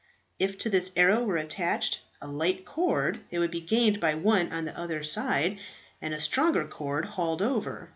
If to this arrow were attached a light cord, it could be gained by one on the other side, and a stronger cord hauled over.